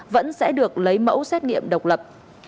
vẫn sẽ được lấy mẫu xét nghiệm độc lập